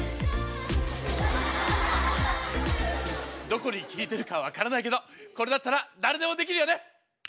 どこに効いてるかは分からないけどこれだったら誰でもできるよね！